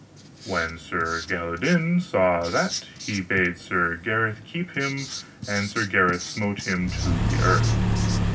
When Sir Galihodin saw that, he bad Sir Gareth keep him, and Sir Gareth smote him to the earth.